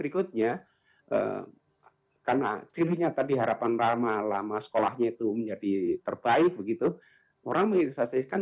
hasilnya tadi harapan rama lama sekolahnya itu menjadi terbaik begitu orang menginspirasi kan